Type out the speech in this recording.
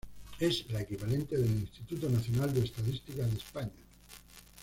Es la equivalente del Instituto Nacional de Estadística de España.